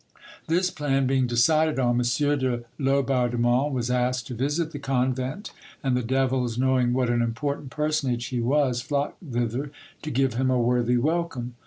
This plan being decided on, M. de Laubardemont was asked to visit the convent, and the devils knowing what an important personage he was, flocked thither to give him a worthy welcome.